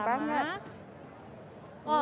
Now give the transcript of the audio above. oh banyak banget